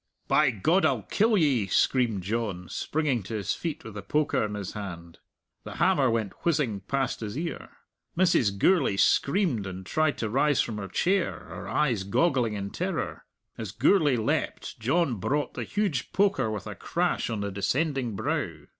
"By God, I'll kill ye," screamed John, springing to his feet, with the poker in his hand. The hammer went whizzing past his ear. Mrs. Gourlay screamed and tried to rise from her chair, her eyes goggling in terror. As Gourlay leapt, John brought the huge poker with a crash on the descending brow.